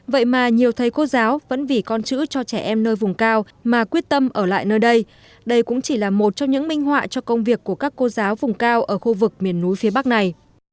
vậy mà nhiều thầy cô giáo vẫn vì con chữ cho trẻ em nơi vùng cao mà quyết tâm ở lại nơi đây đây cũng chỉ là một trong những minh họa cho công việc của các cô giáo vùng cao ở khu vực miền núi phía bắc này